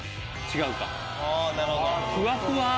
違うか？